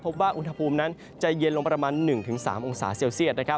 พบว่าอุณหภูมินั้นจะเย็นลงประมาณ๑๓องศาเซลเซียต